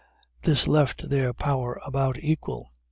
This left their power about equal.